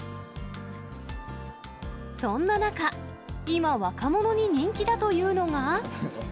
そんな中、今、若者に人気だというのが。